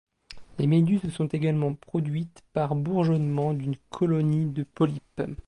Les méduses sont également produites par bourgeonnement d'une colonie de polypes.